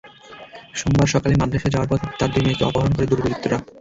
সোমবার সকালে মাদ্রাসায় যাওয়ার পথে তাঁর দুই মেয়েকে অপহরণ করে দুর্বৃত্তরা।